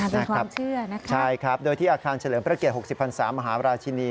เป็นความเชื่อนะครับใช่ครับโดยที่อาคารเฉลิมพระเกียรติ๖๐๓๐๐มหาวราชินี